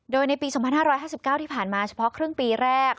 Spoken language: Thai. โดยในปี๒๕๕๙ที่ผ่านมาเฉพาะครึ่งปีแรก